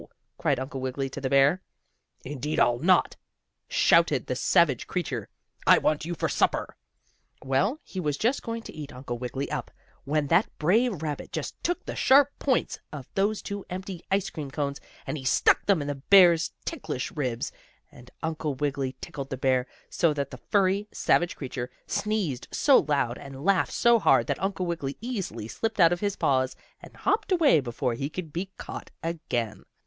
cried Uncle Wiggily to the bear. "Indeed I'll not!" shouted the savage creature. "I want you for supper." Well, he was just going to eat Uncle Wiggily up, when that brave rabbit just took the sharp points of those two empty ice cream cones, and he stuck them in the bear's ticklish ribs, and Uncle Wiggily tickled the bear so that the furry, savage creature sneezed out loud, and laughed so hard that Uncle Wiggily easily slipped out of his paws, and hopped away before he could be caught again.